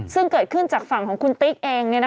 ซึ่งเกิดขึ้นจากฝั่งของคุณติ๊กเอง